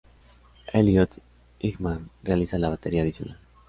Elliott Ingham realiza la batería adicional.